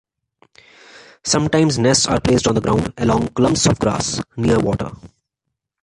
Sometimes nests are placed on the ground, among clumps of grass near water.